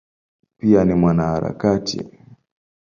Pia ni mwanaharakati.